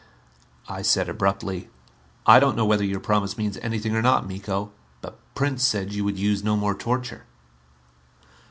I said abruptly, "I don't know whether your promise means anything or not, Miko. But Prince said you would use no more torture."